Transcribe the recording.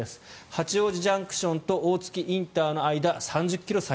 八王子ＪＣＴと大月ＩＣの間最大３０ｋｍ。